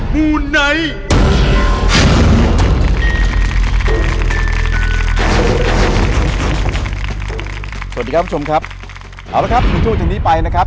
สวัสดีครับคุณผู้ชมครับเอาละครับ๑ชั่วโมงจากนี้ไปนะครับ